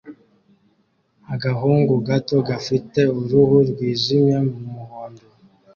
Agahungu gato gafite uruhu rwijimye mumuhondo